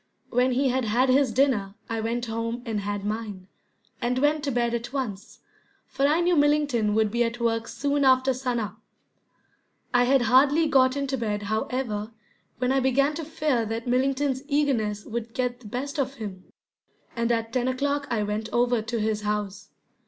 When he had had his dinner I went home and had mine, and went to bed at once, for I knew Millington would be at work soon after sun up. I had hardly got into bed, however, when I began to fear that Millington's eagerness would get the best of him, and at ten o'clock I went over to his house.